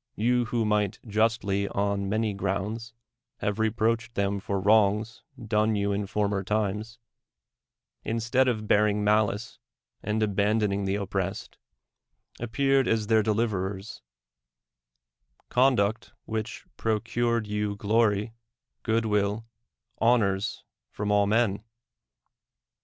— You, who might justly on many grounds have reproached them for wrongs done you in former times, instead of bearing malice and abandoning the oppressed, appeared as their de liverers ; conduct which procured you glory, good will, honors from all men.